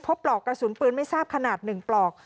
ปลอกกระสุนปืนไม่ทราบขนาด๑ปลอก